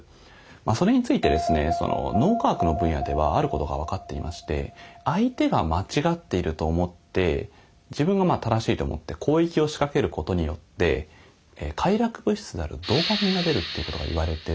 それについてですね脳科学の分野ではあることが分かっていまして相手が間違っていると思って自分が正しいと思って攻撃を仕掛けることによって快楽物質であるドーパミンが出るということが言われてるんですね。